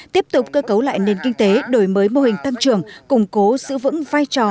tiếp tục cơ cấu lại nền kinh tế đổi mới mô hình tăng trưởng củng cố giữ vững vai trò